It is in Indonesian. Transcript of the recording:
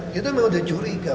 kita memang udah curiga